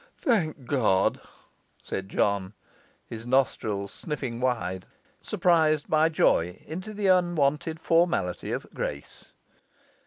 'Thank God!' said John, his nostrils sniffing wide, surprised by joy into the unwonted formality of grace.